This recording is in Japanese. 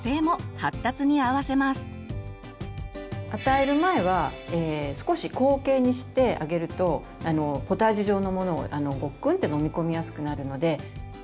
与える前は少し後傾にしてあげるとポタージュ状のものをごっくんって飲み込みやすくなるので。